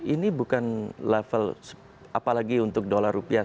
ini bukan level apalagi untuk dolar rupiah